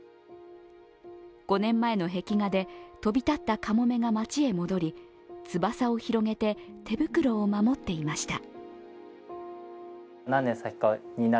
５年前の壁画で飛び立ったカモメが街へ戻り、翼を広げて手袋を守っていました。